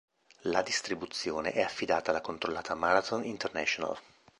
La distribuzione è affidata alla controllata "Marathon International".